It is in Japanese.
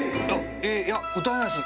あいや歌えないです。